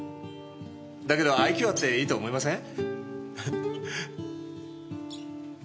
だけど愛嬌あっていいと思いません？